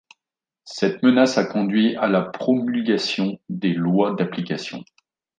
Cette menace a conduit à la promulgation des lois d'application.